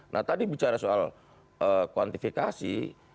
nah tadi bicara soal kuantifikasi